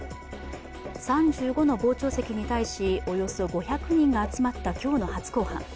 ３５の傍聴席に対し、およそ５００人が集まった今日の初公判。